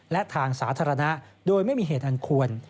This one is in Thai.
และทางสาธารณะโดยไม่มีเหตุอันควร